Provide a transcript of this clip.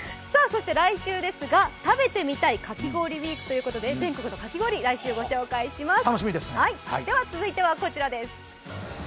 そして来週ですが、食べてみたいかき氷ウイークということで全国のかき氷を来週、ご紹介します